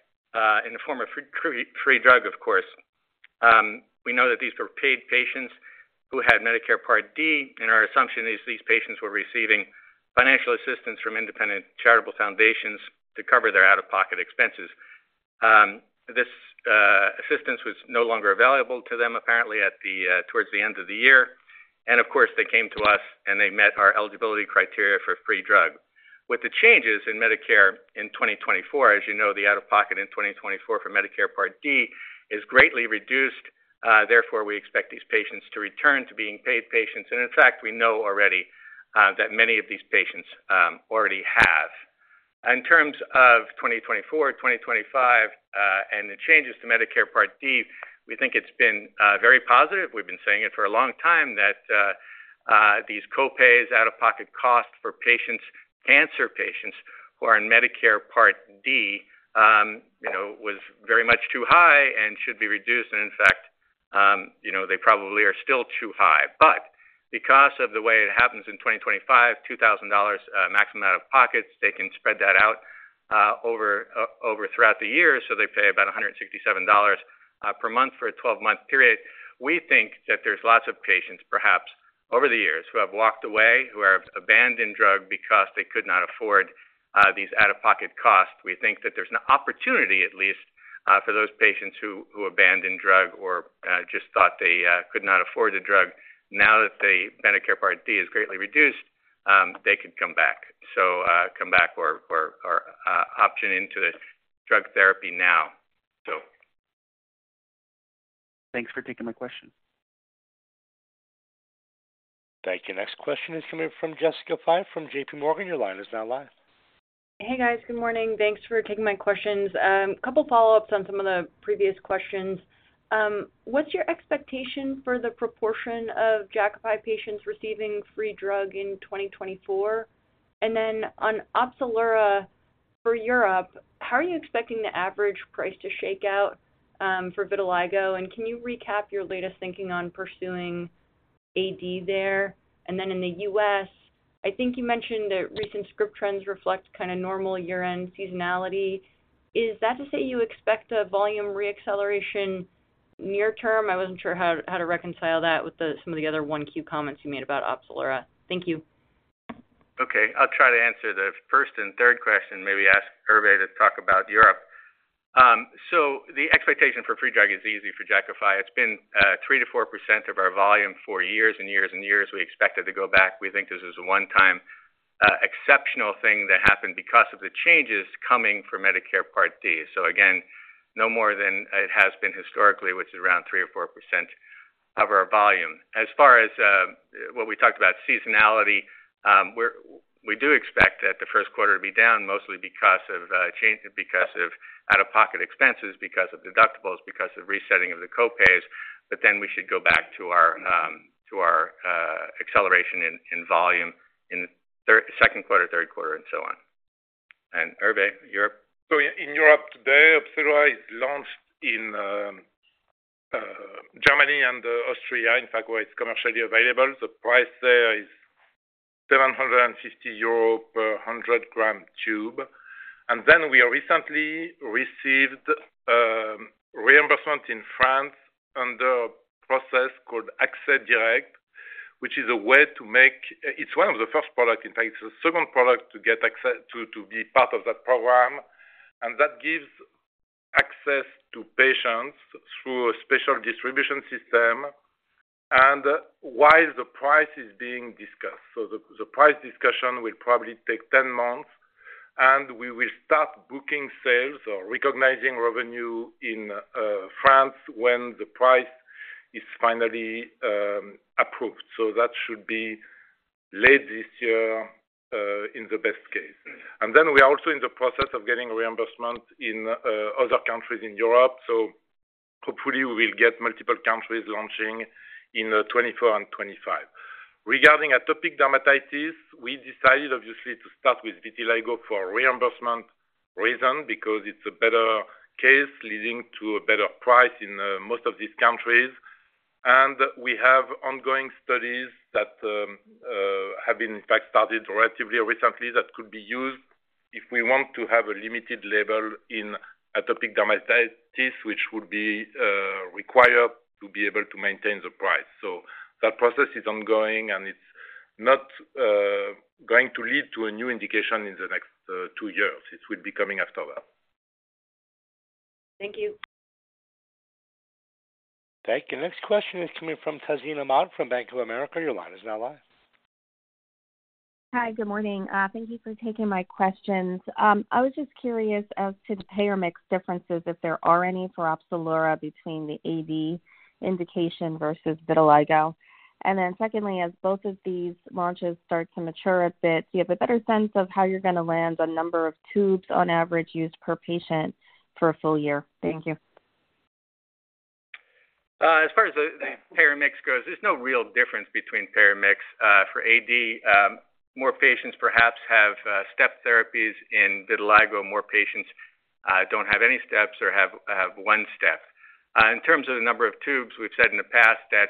in the form of free drug, of course. We know that these were paid patients who had Medicare Part D, and our assumption is these patients were receiving financial assistance from independent charitable foundations to cover their out-of-pocket expenses. This assistance was no longer available to them, apparently, towards the end of the year. And of course, they came to us, and they met our eligibility criteria for free drug. With the changes in Medicare in 2024, as you know, the out-of-pocket in 2024 for Medicare Part D is greatly reduced. Therefore, we expect these patients to return to being paid patients. And in fact, we know already that many of these patients already have. In terms of 2024, 2025, and the changes to Medicare Part D, we think it's been very positive. We've been saying it for a long time that these copays, out-of-pocket costs for cancer patients who are in Medicare Part D, was very much too high and should be reduced. In fact, they probably are still too high. Because of the way it happens in 2025, $2,000 maximum out-of-pockets, they can spread that out throughout the year. They pay about $167 per month for a 12-month period. We think that there's lots of patients, perhaps over the years, who have walked away, who have abandoned drug because they could not afford these out-of-pocket costs. We think that there's an opportunity, at least, for those patients who abandoned drug or just thought they could not afford the drug. Now that the Medicare Part D is greatly reduced, they could come back or opt in into the drug therapy now, so. Thanks for taking my question. Thank you. Next question is coming from Jessica Fye from J.P. Morgan. Your line is now live. Hey, guys. Good morning. Thanks for taking my questions. A couple of follow-ups on some of the previous questions. What's your expectation for the proportion of Jakafi patients receiving free drug in 2024? And then on OPZELURA for Europe, how are you expecting the average price to shake out for vitiligo? And can you recap your latest thinking on pursuing AD there? And then in the US, I think you mentioned that recent script trends reflect kind of normal year-end seasonality. Is that to say you expect a volume reacceleration near-term? I wasn't sure how to reconcile that with some of the other 1Q comments you made about OPZELURA. Thank you. Okay. I'll try to answer the first and third question, maybe ask Hervé to talk about Europe. So the expectation for free drug is easy for Jakafi. It's been 3% to 4% of our volume for years and years and years. We expect it to go back. We think this is a one-time exceptional thing that happened because of the changes coming for Medicare Part D. So again, no more than it has been historically, which is around 3% to 4% of our volume. As far as what we talked about, seasonality, we do expect that the Q1 to be down mostly because of out-of-pocket expenses, because of deductibles, because of resetting of the copays. But then we should go back to our acceleration in volume in the Q2, Q3, and so on. And Hervé, Europe? So in Europe today, OPZELURA is launched in Germany and Austria. In fact, where it's commercially available, the price there is 750 euro per 100-gram tube. And then we recently received reimbursement in France under a process called Access Direct, which is a way to make it's one of the first products. In fact, it's the second product to be part of that program. And that gives access to patients through a special distribution system while the price is being discussed. So the price discussion will probably take 10 months, and we will start booking sales or recognizing revenue in France when the price is finally approved. So that should be late this year in the best case. And then we are also in the process of getting reimbursement in other countries in Europe. So hopefully, we will get multiple countries launching in 2024 and 2025. Regarding atopic dermatitis, we decided, obviously, to start with vitiligo for reimbursement reason because it's a better case leading to a better price in most of these countries. We have ongoing studies that have been, in fact, started relatively recently that could be used if we want to have a limited label in atopic dermatitis, which would be required to be able to maintain the price. That process is ongoing, and it's not going to lead to a new indication in the next two years. It will be coming after that. Thank you. Thank you. Next question is coming from Alec Stranahan from Bank of America. Your line is now live. Hi. Good morning. Thank you for taking my questions. I was just curious as to the payer mix differences, if there are any, for OPZELURA between the AD indication versus vitiligo? And then secondly, as both of these launches start to mature a bit, do you have a better sense of how you're going to land on number of tubes on average used per patient for a full year? Thank you. As far as the payer mix goes, there's no real difference between payer mix. For AD, more patients perhaps have step therapies in vitiligo. More patients don't have any steps or have 1 step. In terms of the number of tubes, we've said in the past that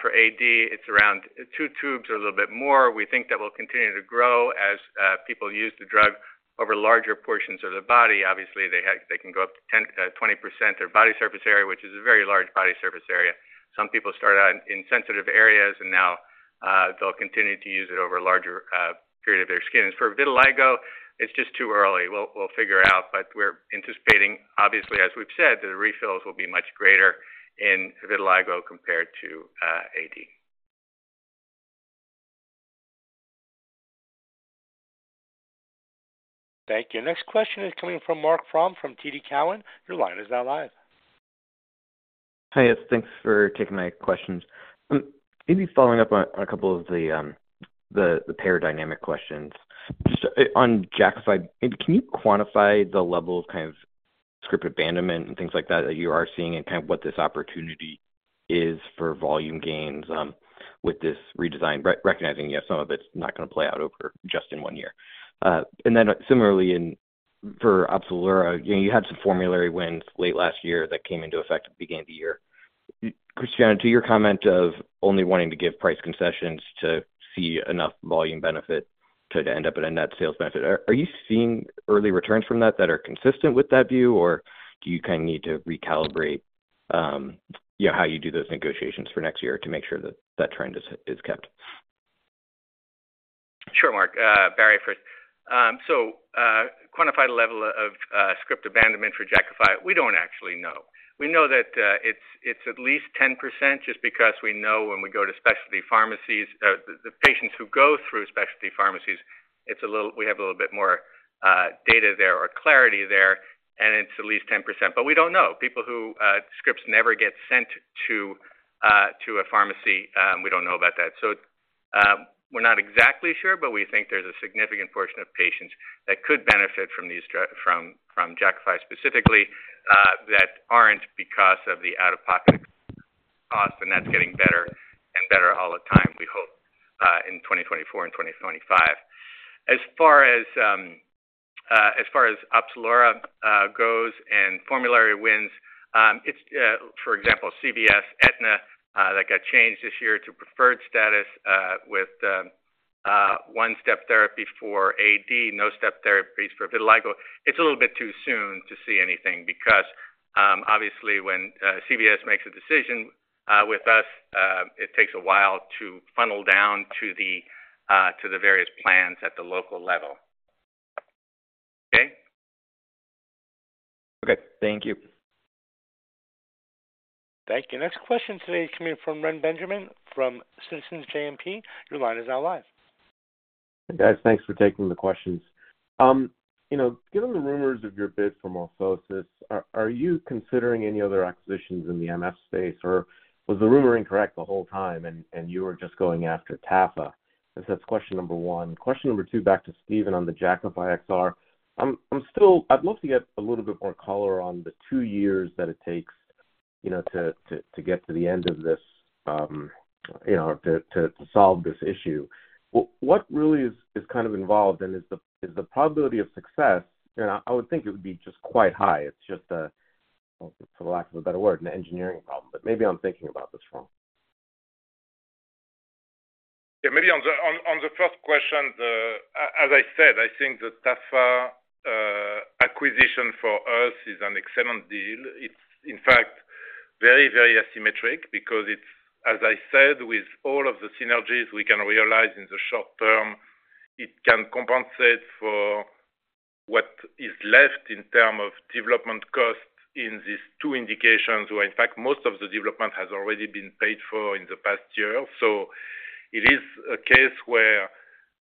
for AD, it's around 2 tubes or a little bit more. We think that will continue to grow as people use the drug over larger portions of the body. Obviously, they can go up to 20% of body surface area, which is a very large body surface area. Some people start out in sensitive areas, and now they'll continue to use it over a larger period of their skin. As for vitiligo, it's just too early. We'll figure out. But we're anticipating, obviously, as we've said, the refills will be much greater in vitiligo compared to AD. Thank you. Next question is coming from Marc Frahm from TD Cowen. Your line is now live. Hey. Thanks for taking my questions. Maybe following up on a couple of the payer dynamic questions. Just on Jakafi, can you quantify the level of kind of script abandonment and things like that that you are seeing and kind of what this opportunity is for volume gains with this redesign, recognizing some of it's not going to play out just in one year? And then similarly, for OPZELURA, you had some formulary wins late last year that came into effect at the beginning of the year. Christiana, to your comment of only wanting to give price concessions to see enough volume benefit to end up at a net sales benefit, are you seeing early returns from that that are consistent with that view, or do you kind of need to recalibrate how you do those negotiations for next year to make sure that trend is kept? Sure, Mark. Barry, first. So quantified level of script abandonment for Jakafi, we don't actually know. We know that it's at least 10% just because we know when we go to specialty pharmacies, the patients who go through specialty pharmacies, we have a little bit more data there or clarity there, and it's at least 10%. But we don't know. Scripts never get sent to a pharmacy. We don't know about that. So we're not exactly sure, but we think there's a significant portion of patients that could benefit from Jakafi specifically that aren't because of the out-of-pocket cost. And that's getting better and better all the time, we hope, in 2024 and 2025. As far as OPZELURA goes and formulary wins, for example, CVS, Aetna, that got changed this year to preferred status with one-step therapy for AD, no-step therapies for vitiligo, it's a little bit too soon to see anything because obviously, when CVS makes a decision with us, it takes a while to funnel down to the various plans at the local level. Okay? Okay. Thank you. Thank you. Next question today is coming from Ren Benjamin from Citizens JMP. Your line is now live. Hey, guys. Thanks for taking the questions. Given the rumors of your bid for MorphoSys, are you considering any other acquisitions in the MF space, or was the rumor incorrect the whole time and you were just going after Tafa? That's question number one. Question number two, back to Steven on the Jakafi XR. I'd love to get a little bit more color on the two years that it takes to get to the end of this or to solve this issue. What really is kind of involved, and is the probability of success? And I would think it would be just quite high. It's just, for lack of a better word, an engineering problem. But maybe I'm thinking about this wrong. Yeah. Maybe on the first question, as I said, I think the TAFA acquisition for us is an excellent deal. It's, in fact, very, very asymmetric because it's, as I said, with all of the synergies we can realize in the short term, it can compensate for what is left in terms of development cost in these two indications where, in fact, most of the development has already been paid for in the past year. So it is a case where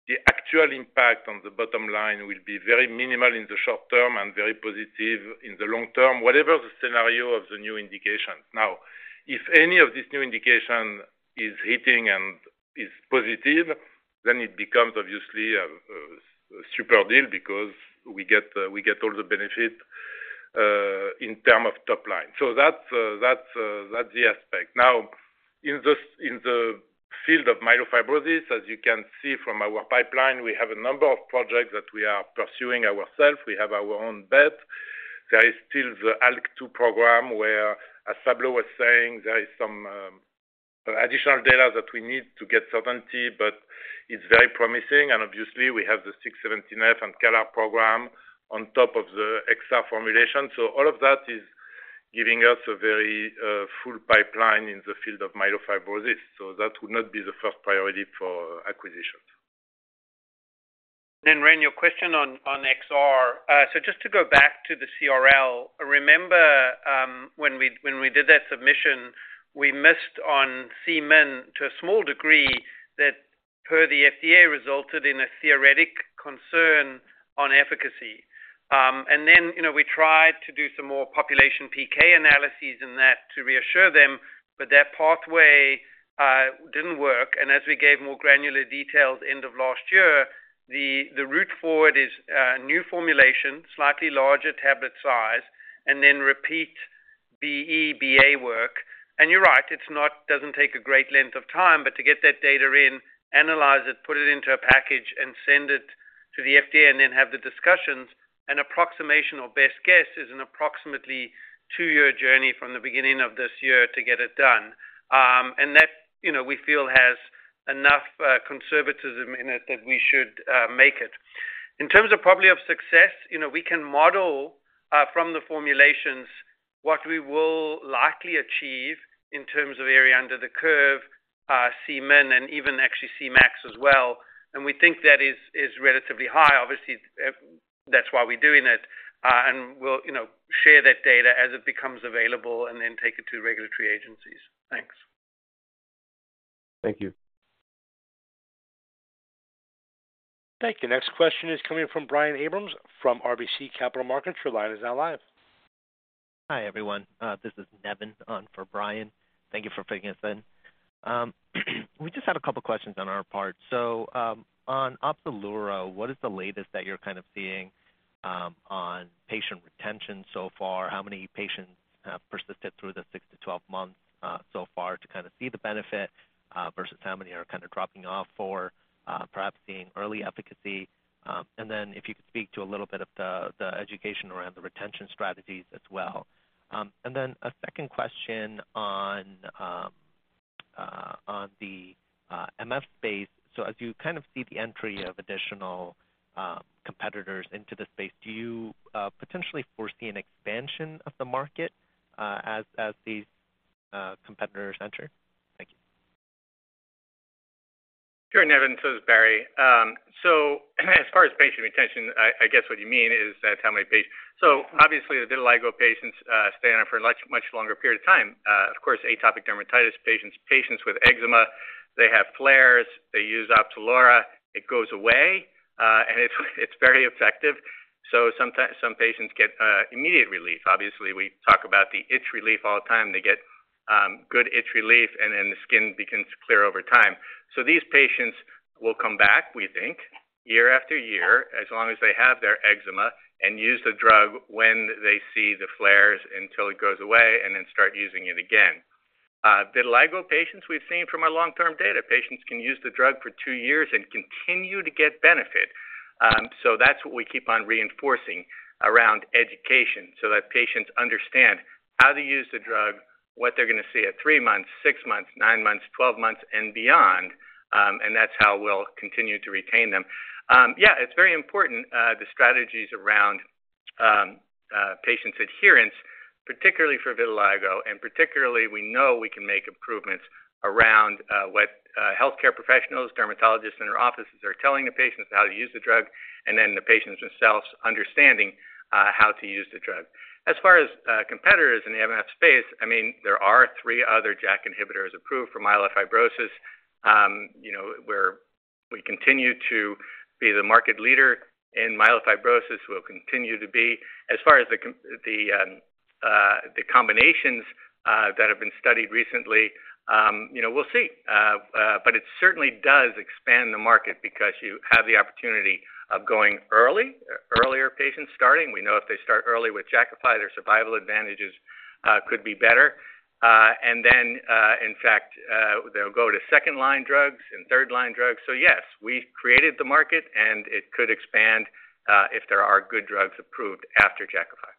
the actual impact on the bottom line will be very minimal in the short term and very positive in the long term, whatever the scenario of the new indications. Now, if any of these new indications is hitting and is positive, then it becomes, obviously, a super deal because we get all the benefit in terms of top line. So that's the aspect. Now, in the field of myelofibrosis, as you can see from our pipeline, we have a number of projects that we are pursuing ourselves. We have our own BET. There is still the ALK2 program where, as Pablo was saying, there is some additional data that we need to get certainty, but it's very promising. And obviously, we have the JAK2 V617F and mCALR program on top of the XR formulation. So all of that is giving us a very full pipeline in the field of myelofibrosis. So that will not be the first priority for acquisitions. Ren, your question on XR. So just to go back to the CRL, remember when we did that submission, we missed on CMIN to a small degree that, per the FDA, resulted in a theoretic concern on efficacy. And then we tried to do some more population PK analyses in that to reassure them, but that pathway didn't work. And as we gave more granular details end of last year, the route forward is new formulation, slightly larger tablet size, and then repeat BE/BA work. And you're right. It doesn't take a great length of time, but to get that data in, analyze it, put it into a package, and send it to the FDA and then have the discussions, an approximation or best guess is an approximately 2-year journey from the beginning of this year to get it done. And that, we feel, has enough conservatism in it that we should make it. In terms of probability of success, we can model from the formulations what we will likely achieve in terms of area under the curve, CMIN, and even actually CMAX as well. And we think that is relatively high. Obviously, that's why we're doing it. And we'll share that data as it becomes available and then take it to regulatory agencies. Thanks. Thank you. Thank you. Next question is coming from Brian Abrahams from RBC Capital Markets. Your line is now live. Hi, everyone. This is Nevin for Brian. Thank you for joining us. We just had a couple of questions on our part. So on OPZELURA, what is the latest that you're kind of seeing on patient retention so far? How many patients have persisted through the 6 to 12 months so far to kind of see the benefit versus how many are kind of dropping off for perhaps seeing early efficacy? And then if you could speak to a little bit of the education around the retention strategies as well. And then a second question on the HS space. So as you kind of see the entry of additional competitors into the space, do you potentially foresee an expansion of the market as these competitors enter? Thank you. Sure, Nevin. This is Barry. So as far as patient retention, I guess what you mean is that how many patients so obviously, the vitiligo patients stay on for a much, much longer period of time. Of course, atopic dermatitis patients, patients with eczema, they have flares. They use OPZELURA. It goes away, and it's very effective. So some patients get immediate relief. Obviously, we talk about the itch relief all the time. They get good itch relief, and then the skin begins to clear over time. So these patients will come back, we think, year after year as long as they have their eczema and use the drug when they see the flares until it goes away and then start using it again. Vitiligo patients, we've seen from our long-term data, patients can use the drug for two years and continue to get benefit. So that's what we keep on reinforcing around education so that patients understand how to use the drug, what they're going to see at 3 months, 6 months, 9 months, 12 months, and beyond. And that's how we'll continue to retain them. Yeah, it's very important, the strategies around patients' adherence, particularly for vitiligo, and particularly, we know we can make improvements around what healthcare professionals, dermatologists, and their offices are telling the patients how to use the drug, and then the patients themselves understanding how to use the drug. As far as competitors in the MF space, I mean, there are 3 other JAK inhibitors approved for myelofibrosis where we continue to be the market leader in myelofibrosis. We'll continue to be. As far as the combinations that have been studied recently, we'll see. But it certainly does expand the market because you have the opportunity of going early, earlier patients starting. We know if they start early with Jakafi, their survival advantages could be better. And then, in fact, they'll go to second-line drugs and third-line drugs. So yes, we created the market, and it could expand if there are good drugs approved after Jakafi.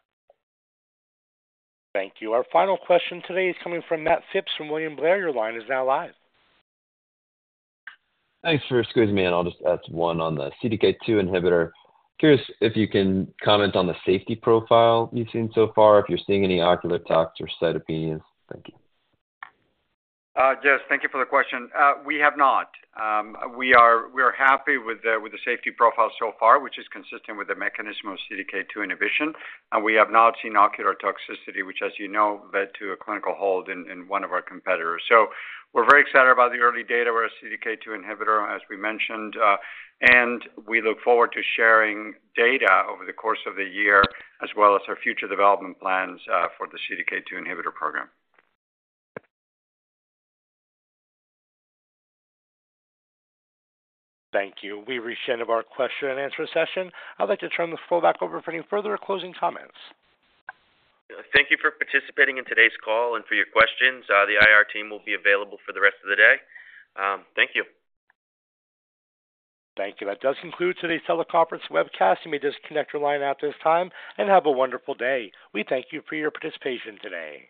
Thank you. Our final question today is coming from Matt Phipps from William Blair. Your line is now live. Thanks for excusing me. I'll just add one on the CDK2 inhibitor. Curious if you can comment on the safety profile you've seen so far, if you're seeing any ocular tox or cytopenias? Thank you. Yes. Thank you for the question. We have not. We are happy with the safety profile so far, which is consistent with the mechanism of CDK2 inhibition. And we have not seen ocular toxicity, which, as you know, led to a clinical hold in one of our competitors. So we're very excited about the early data where a CDK2 inhibitor, as we mentioned. And we look forward to sharing data over the course of the year as well as our future development plans for the CDK2 inhibitor program. Thank you. We reached the end of our question and answer session. I'd like to turn the floor back over for any further or closing comments. Thank you for participating in today's call and for your questions. The IR team will be available for the rest of the day. Thank you. Thank you. That does conclude today's teleconference webcast. You may disconnect your line at this time and have a wonderful day. We thank you for your participation today.